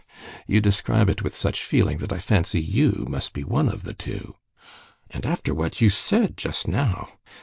"You describe it with such feeling that I fancy you must be one of the two." "And after what you said, just now!